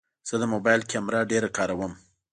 زه د موبایل کیمره ډېره کاروم.